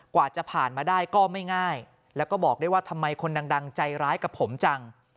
กว่าจะผ่านมาได้ก็ไม่ง่ายแล้วก็บอกได้ว่าทำไมคนดังใจร้ายกับผมจัง